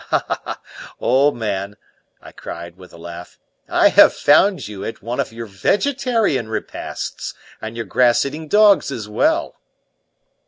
"Aha, old man," I cried, with a laugh, "I have found you at one of your vegetarian repasts; and your grass eating dogs as well!"